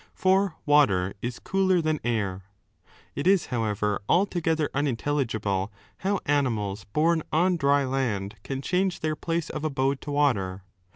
For water is cooler than air. It is, however, altogether unintelligible how animals bom 2 on dry land can change their place of abode to water.